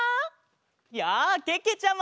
やあけけちゃま！